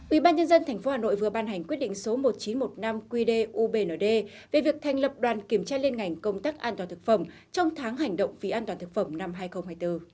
ủy ban nhân dân tp hà nội vừa ban hành quyết định số một nghìn chín trăm một mươi năm qd ubnd về việc thành lập đoàn kiểm tra lên ngành công tác an toàn thực phẩm trong tháng hành động vị an toàn thực phẩm năm hai nghìn hai mươi bốn